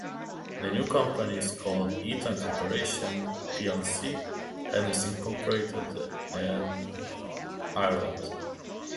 The new company is called Eaton Corporation plc and is incorporated in Ireland.